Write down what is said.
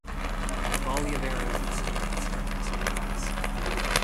A volley of arrows and stones struck the Spaniards.